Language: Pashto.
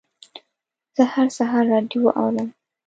زه هر سهار راډیو اورم.